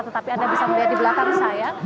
tetapi anda bisa melihat di belakang saya